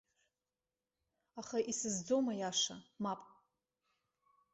Аха исызӡом аиаша, мап!